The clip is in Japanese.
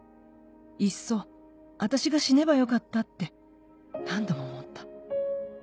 いっそあたしが死ねばよかったって何度も思った。